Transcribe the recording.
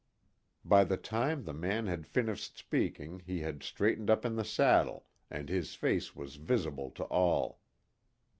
By the time the man had finished speaking he had straightened up in the saddle, and his face was visible to all.